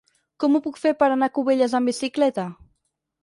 Com ho puc fer per anar a Cubelles amb bicicleta?